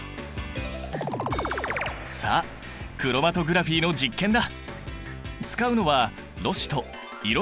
さあクロマトグラフィーの実験だ！